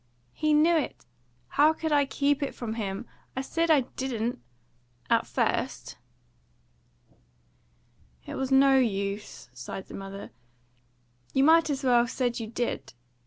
"He knew it! How could I keep it from him? I said I didn't at first!" "It was no use," sighed the mother. "You might as well said you did.